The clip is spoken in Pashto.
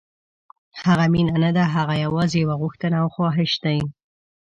هغه مینه نه ده، هغه یوازې یو غوښتنه او خواهش دی.